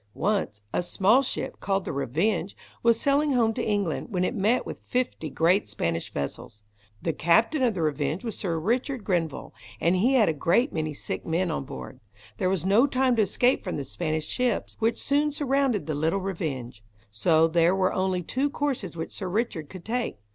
Once, a small ship, called the Revenge, was sailing home to England, when it met with fifty great Spanish vessels. The captain of the Revenge was Sir Richard Grenville, and he had a great many sick men on board. There was no time to escape from the Spanish ships, which soon surrounded the little Revenge. So there were only two courses which Sir Richard could take.